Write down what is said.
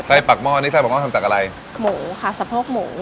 ปากหม้อนี่ไส้ปากห้อทำจากอะไรหมูค่ะสะโพกหมู